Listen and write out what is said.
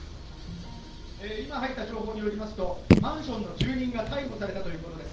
今入った情報によりますと、マンションの住人が逮捕されたということです。